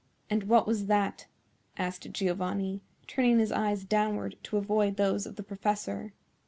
"And what was that?" asked Giovanni, turning his eyes downward to avoid those of the professor.